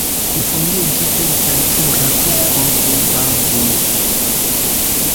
Kunfondinto de literatura grupo Bu-Ba-Bu.